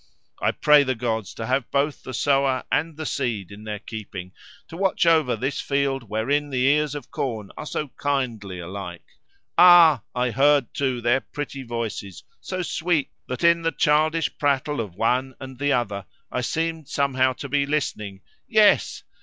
I pray the gods to have both the sower and the seed in their keeping; to watch over this field wherein the ears of corn are so kindly alike. Ah! I heard too their pretty voices, so sweet that in the childish prattle of one and the other I seemed somehow to be listening—yes!